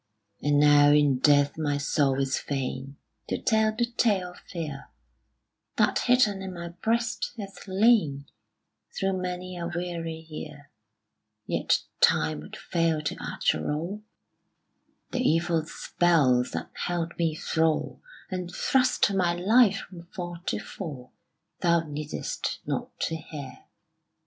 And now in death my soul is fain To tell the tale of fear That hidden in my breast hath lain Through many a weary year: Yet time would fail to utter all The evil spells that held me thrall, And thrust my life from fall to fall, Thou needest not to hear.